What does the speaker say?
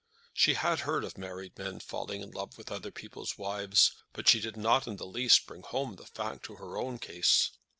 She had heard of married men falling in love with other people's wives, but she did not in the least bring home the fact to her own case.